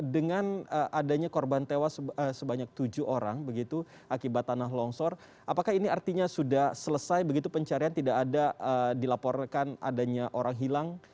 dengan adanya korban tewas sebanyak tujuh orang begitu akibat tanah longsor apakah ini artinya sudah selesai begitu pencarian tidak ada dilaporkan adanya orang hilang